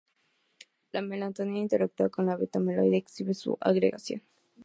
La melatonina interactúa con la beta-amiloide e inhibe su agregación.